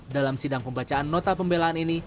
dalam sidang pembacaan nota pembelaan ini